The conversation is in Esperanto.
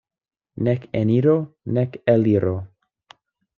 Nek eniro, nek eliro.